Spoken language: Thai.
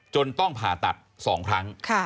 ต้องผ่าตัด๒ครั้ง